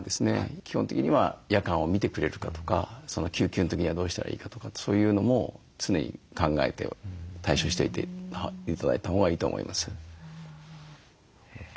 基本的には夜間を診てくれるかとか救急の時にはどうしたらいいかとかってそういうのも常に考えて対処しといて頂いたほうがいいと思います。